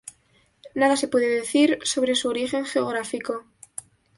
Nada se puede decir sobre su origen geográfico.